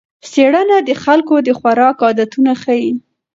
څېړنه د خلکو د خوراک عادتونه ښيي.